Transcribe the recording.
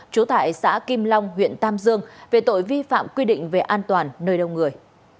trú tại xã kim long huyện tam dương về tội vi phạm quy định về an toàn nơi đông người